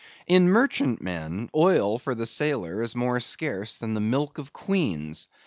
In merchantmen, oil for the sailor is more scarce than the milk of queens.